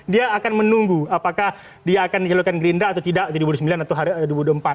dia akan menunggu apakah dia akan dijalankan gerinda atau tidak di dua ribu sembilan atau dua ribu dua puluh empat